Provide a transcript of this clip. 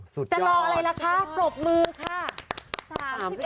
สุดยอดจะรออะไรล่ะคะปรบมือค่ะ